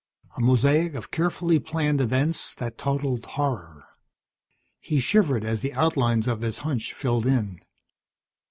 A mosaic of carefully planned events that totalled horror. He shivered as the outlines of his hunch filled in.